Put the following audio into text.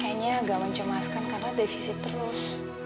kayaknya gak mencemaskan karena defisi terus